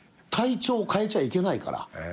体調を変えちゃいけないから。